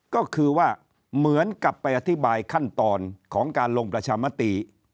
ก็คือว่าเหมือนกับไปอธิบายขั้นตอนของการลงประชามติ